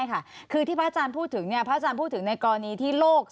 แห่งที่พระท่านพูดถึงกรนี้ที่โรคที่ศึกษง